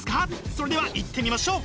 それではいってみましょう！